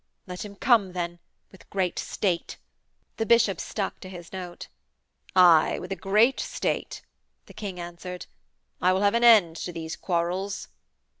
'Let him come, then, with great state,' the bishop stuck to his note. 'Aye, with a great state,' the King answered. 'I will have an end to these quarrels.'